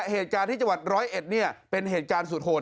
เหตุการณ์ที่จังหวัดร้อยเอ็ดเนี่ยเป็นเหตุการณ์สุดโหด